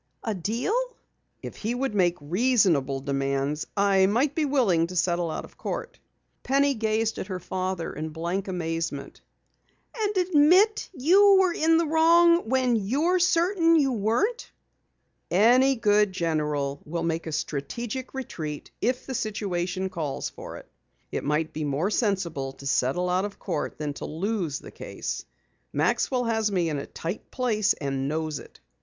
"A deal?" "If he would make reasonable demands I might be willing to settle out of court." Penny gazed at her father in blank amazement. "And admit you were in the wrong when you're certain you weren't?" "Any good general will make a strategic retreat if the situation calls for it. It might be more sensible to settle out of court than to lose the case. Maxwell has me in a tight place and knows it."